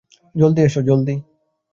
জলদি এসো, জলদি।